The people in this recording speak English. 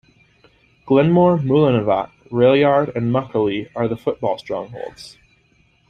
Glenmore, Mullinavat, Railyard and Muckalee are the football strongholds.